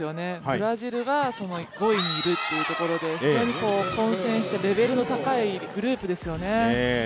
ブラジルが５位にいるというところで、非常に混戦してレベルの高いグループですよね。